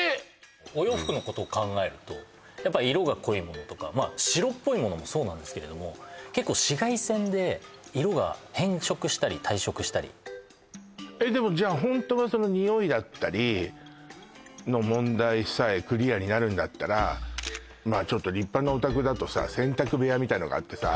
お洋服のことを考えるとやっぱ色が濃いものとかまあ白っぽいものもそうなんですけれども結構紫外線で色が変色したり退色したりえっでもじゃあホントはそのニオイだったりの問題さえクリアになるんだったらまあちょっと立派なお宅だとさ洗濯部屋みたいなのがあってさ